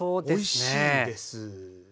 おいしいんです。